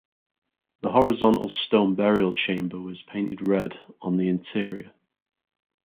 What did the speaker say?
The horizontal stone burial chamber was painted red on the interior.